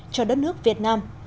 cho đất nước việt nam